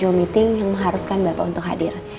bapak schedule meeting yang meharuskan bapak untuk hadir